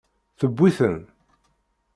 Tewwi-ten.